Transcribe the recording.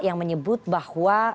yang menyebut bahwa